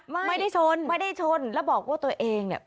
ไม่ได้ชนไม่ได้ชนแล้วบอกว่าตัวเองเนี่ย